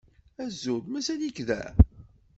Azul! Mazal-ik da?